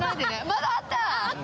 まだあった！